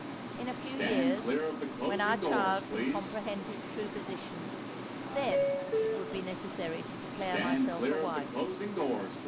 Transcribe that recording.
In a few years—when our child can comprehend his true position,—then it would be necessary to declare myself a wife."